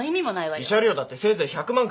慰謝料だってせいぜい１００万かそこらだ！